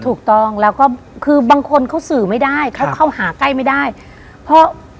ถูกต้องแล้วก็คือบางคนเขาสื่อไม่ได้เขาเข้าหาใกล้ไม่ได้เพราะ